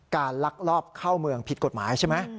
ลักลอบเข้าเมืองผิดกฎหมายใช่ไหม